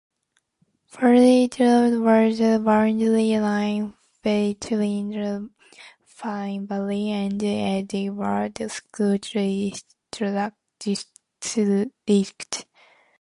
Ferret Road was the boundary line between the Fire Valley and Edgewood school districts.